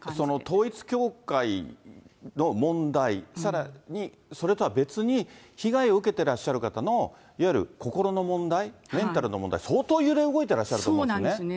統一教会の問題、さらにそれとは別に、被害を受けてらっしゃる方のいわゆる心の問題、メンタルの問題、相当揺れ動いてらっしゃると思うんですね。